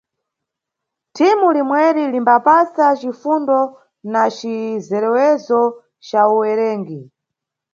Thimu limweri limbapasa cifundo na cizerewezo ca uwerengi.